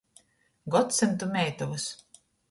Godsymtu meitovys.